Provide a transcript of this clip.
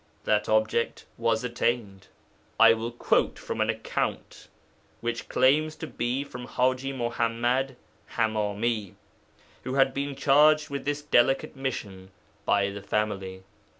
That object was attained. I will quote from an account which claims to be from Haji Muḥammad Hamami, who had been charged with this delicate mission by the family.